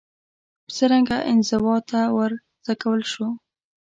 څرنګه انزوا ته وروڅکول شو